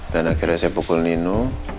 akhirnya saya pukul nino